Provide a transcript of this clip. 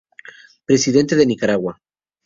Presidente de Nicaragua.